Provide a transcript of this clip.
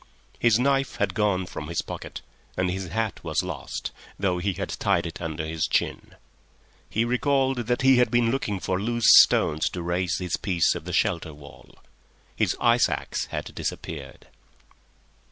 His knife had gone from his pocket and his hat was lost, though he had tied it under his chin. He recalled that he had been looking for loose stones to raise his piece of the shelter wall. His ice axe had disappeared.